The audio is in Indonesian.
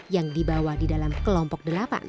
yang dibawa di dalam kelompok delapan